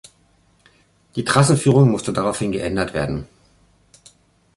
Die Trassenführung musste daraufhin geändert werden.